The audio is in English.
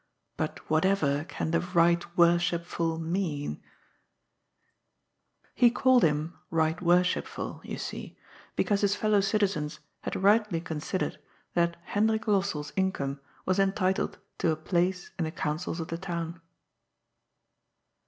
But whateyer can the Bight Worshipful mean ?" He called him Bight Worshipful, you see, because his fellow citizens had rightly considered that Hendrik Los sell's income was entitled to a place in the councils of the town.